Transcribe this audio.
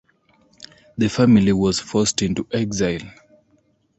The family was forced into exile.